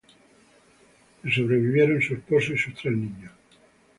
Le sobrevivieron su esposo y sus tres niños.